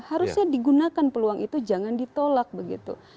harusnya digunakan peluang itu jangan ditolak begitu